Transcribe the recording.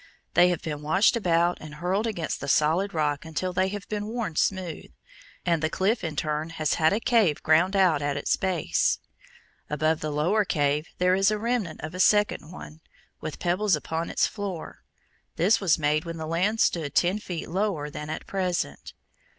They have been washed about and hurled against the solid rock until they have been worn smooth; and the cliff in turn has had a cave ground out at its base. Above the lower cave there is a remnant of a second one, with pebbles upon its floor. This was made when the land stood ten feet lower than at present.